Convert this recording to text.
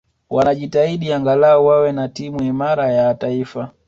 wanajitahidi angalau wawe na timu imarabya ya taifa